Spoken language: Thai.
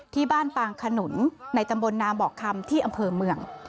ปางขนุนในตำบลนาบอกคำที่อำเภอเมือง